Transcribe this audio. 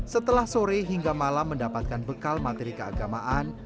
setelah sore hingga malam mendapatkan bekal materi keagamaan